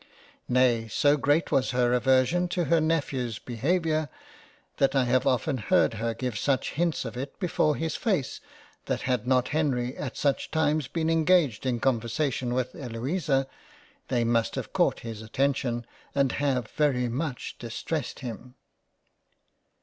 Nay so great was her aversion to her Nephews behaviour that I have often heard her give such hints of it before his face that had not Henry at such times been engaged in conver sation with Eloisa, they must have caught his Attention and have very much distressed him.